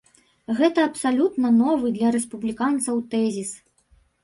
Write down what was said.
Гэта абсалютна новы для рэспубліканцаў тэзіс.